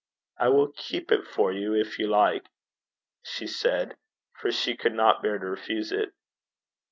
'I will keep it for you, if you like,' she said, for she could not bear to refuse it.